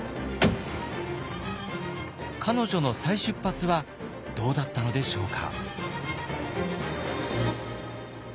彼女の再出発はどうだったのでしょうか。